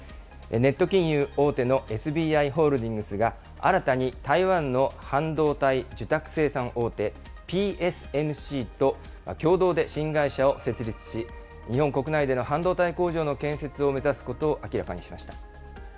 ネット金融大手のＳＢＩホールディングスが、新たに台湾の半導体受託生産大手、ＰＳＭＣと共同で新会社を設立し、日本国内での半導体工場の建設を目指すことを明らかにしました。